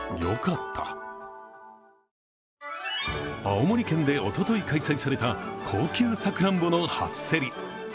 青森県でおととい開催された高級さくらんぼの初競り。